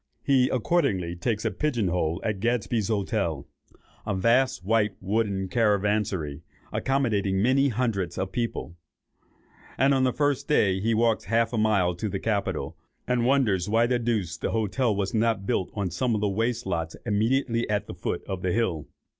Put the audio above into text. He accordingly takes a pigeon hole at Gadsby's Hotel, a vast white wooden caravanserai, accommodating many hundreds of people; and on the first day, walks half a mile to the Capitol, and wonders why the deuce the hotel was not built on some of the waste lots immediately at the foot of the hill.